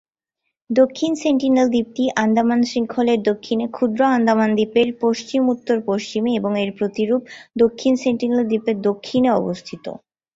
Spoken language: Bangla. দক্ষিণ সেন্টিনেল দ্বীপটি আন্দামান শৃঙ্খলের দক্ষিণে ক্ষুদ্র আন্দামান দ্বীপের পশ্চিম-উত্তর-পশ্চিমে এবং এর প্রতিরূপ দক্ষিণ সেন্টিনেল দ্বীপের দক্ষিণে অবস্থিত।